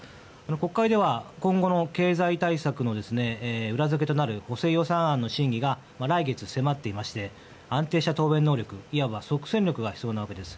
国会では今後の経済対策の裏付けとなる補正予算案の審議が来月に迫っていまして安定した答弁能力いわば即戦力が必要なわけです。